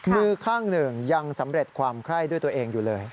มือข้างหนึ่งยังสำเร็จความไคร้ด้วยตัวเองอยู่เลย